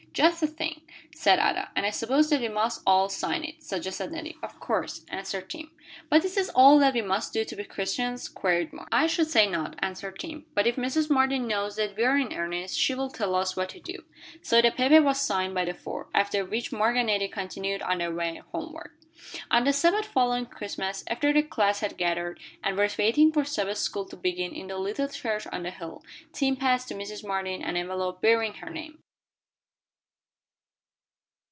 "Just the thing," said Ada. "And I suppose that we must all sign it," suggested Nettie. "Of course," answered Tim. "But is this all that we must do to be Christians?" queried Mark. "I should say not," answered Tim, "but if Mrs. Martin knows that we are in earnest, she will tell us what to do." So the paper was signed by the four, after which Mark and Nettie continued on their way homeward. On the Sabbath following Christmas, after the class had gathered, and were waiting for Sabbath school to begin in the little church on the hill, Tim passed to Mrs. Martin an envelope bearing her name.